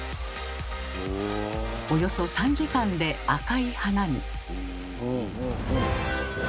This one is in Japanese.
およそ３時間で赤い花に。